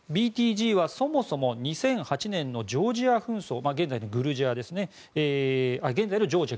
ＢＴＧはそもそも２００８年のグルジア紛争現在のジョージアですね。